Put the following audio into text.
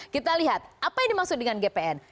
kita lihat apa yang dimaksud dengan gpn